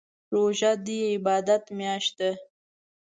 روژه دي عبادات میاشت ده